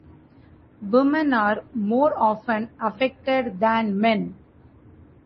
Women are more often affected than men.